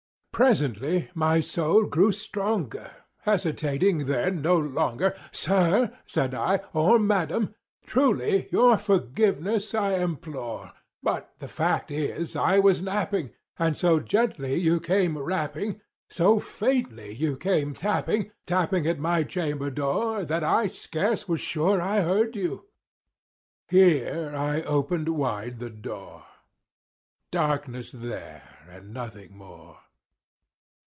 Presently my soul grew stronger; hesitating then no longer, "Sir," said I, "or Madam, truly your forgiveness I implore; But the fact is I was napping, and so gently you came rapping, And so faintly you came tapping, tapping at my chamber door, That I scarce was sure I heard you"—here I opened wide the door:—— Darkness there and nothing more.